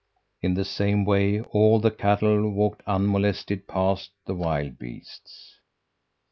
In the same way all the cattle walked unmolested past the wild beasts.